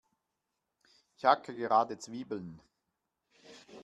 Ich hacke gerade Zwiebeln.